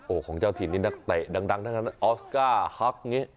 โอ้ของเจ้าทินนี่นักเตะดังออสการ์ฮักก์นี้